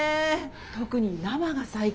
特に生が最高！